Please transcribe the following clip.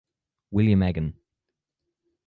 William Egan.